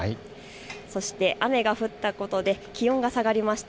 そして雨が降ったことで気温が下がりました。